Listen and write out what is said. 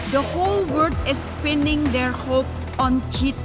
seluruh dunia menaruh harapan mereka pada g dua puluh